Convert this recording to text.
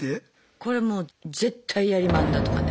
これもう絶対ヤリマンだとかね。